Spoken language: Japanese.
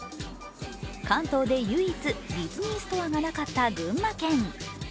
関東で唯一、ディズニーストアがなかった群馬県。